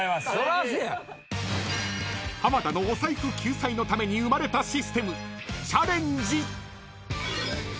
［浜田のお財布救済のために生まれたシステム］